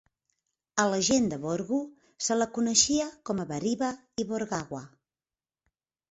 A la gent de Borgu se la coneixia com a Bariba i Borgawa.